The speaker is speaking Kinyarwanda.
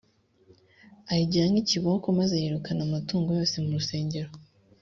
ayigira nk ikiboko maze yirukana amatungo yose mu rusengero